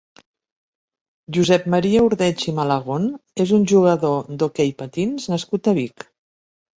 Josep Maria Ordeig i Malagón és un jugador d'hoquei patins nascut a Vic.